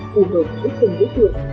phù hợp với từng đối tượng